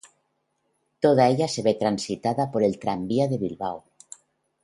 Toda ella se ve transitada por el Tranvía de Bilbao.